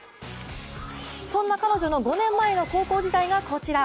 そんな彼女の５年前の高校時代がこちら。